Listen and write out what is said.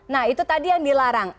nah itu tadi yang dilarang